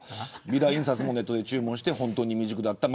ビラ印刷もネットで注文して本当に未熟だった。